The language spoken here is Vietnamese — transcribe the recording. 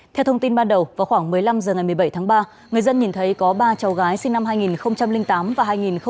theo thông tin ban đầu vào khoảng một mươi năm h ngày một mươi bảy tháng ba người dân nhìn thấy có ba cháu gái sinh năm hai nghìn tám và hai nghìn ba